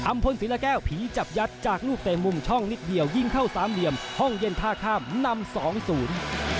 พลศรีละแก้วผีจับยัดจากลูกเตะมุมช่องนิดเดียวยิงเข้าสามเหลี่ยมห้องเย็นท่าข้ามนำสองศูนย์